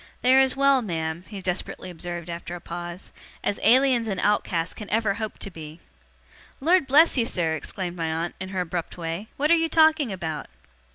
'They are as well, ma'am,' he desperately observed after a pause, 'as Aliens and Outcasts can ever hope to be.' 'Lord bless you, sir!' exclaimed my aunt, in her abrupt way. 'What are you talking about?